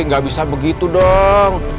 gak bisa begitu dong